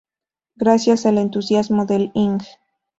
Gracias al entusiasmo del Ing.